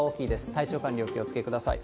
体調管理、お気をつけください。